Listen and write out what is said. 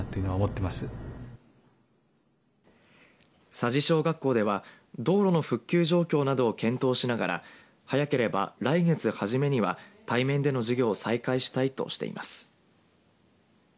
佐治小学校では道路の復旧状況などを検討しながら早ければ来月初めには対面での授業を再開したいとしています。